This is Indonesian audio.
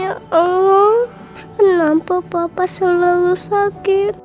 ya allah kenapa papa selalu sakit